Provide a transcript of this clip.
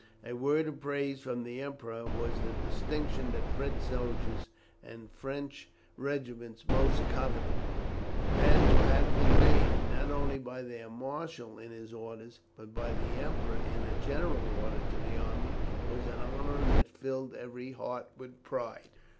A word of praise from the Emperor was the distinction that French soldiers and French regiments most coveted, and to have been named, not only by their marshal in his orders, but by the Emperor in a general order to the army, was an honour that filled every heart with pride.